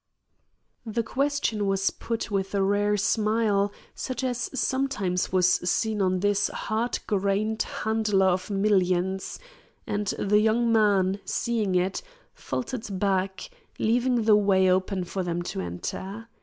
The question was put with a rare smile such as sometimes was seen on this hard grained handler of millions, and the young man, seeing it, faltered back, leaving the way open for them to enter.